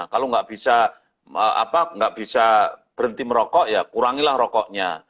kalau nggak bisa berhenti merokok ya kurangilah rokoknya